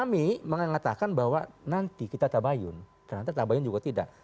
kami mengatakan bahwa nanti kita tabayun ternyata tabayun juga tidak